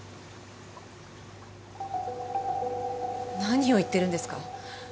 何を言ってるんですか？